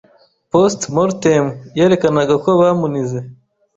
Postmortem yerekanaga ko bamunize.